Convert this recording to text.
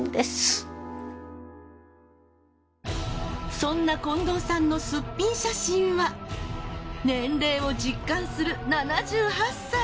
そんな近藤さんのすっぴん写真は年齢を実感する７８歳。